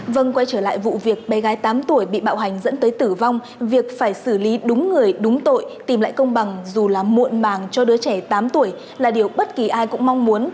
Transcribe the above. vâng quay trở lại vụ việc bé gái tám tuổi bị bạo hành dẫn tới tử vong việc phải xử lý đúng người đúng tội tìm lại công bằng dù là muộn màng cho đứa trẻ tám tuổi là điều bất kỳ ai cũng mong muốn